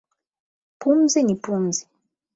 Pumzi ni pumzi